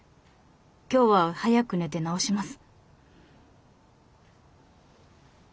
今日は早く寝てなおします！」。